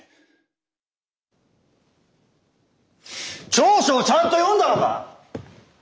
調書をちゃんと読んだのか？